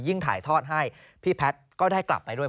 ถ่ายทอดให้พี่แพทย์ก็ได้กลับไปด้วย